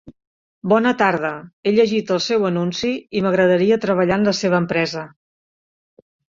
Bona tarda, he llegit el seu anunci i m'agradaria treballar en la seva empresa.